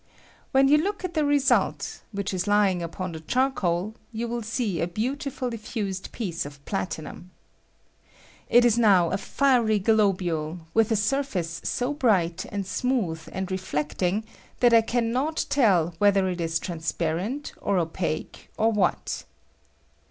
When you loot at the result, which is lying upon the charcoal, you will see a beautifully fiised piece of platinum. It ia now a fiery globule, with a surface so bright, and smooth, and reflecting that I can not tell whether it ia transparent, or opaque, or what.